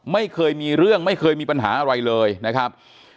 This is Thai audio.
ไม่เคยมีเรื่องไม่เคยมีปัญหาอะไรเลยนะครับ